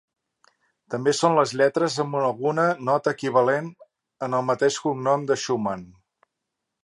També són les lletres amb alguna nota equivalent en el mateix cognom de Schumann.